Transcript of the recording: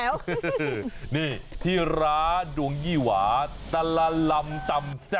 อยู่ที่ร้านดวงยี่หวาตะราลำตำแซบ